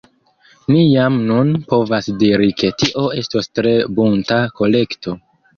Ni jam nun povas diri ke tio estos tre bunta kolekto.